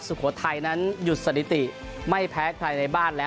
สุโขทัยนั้นหยุดสถิติไม่แพ้ใครในบ้านแล้ว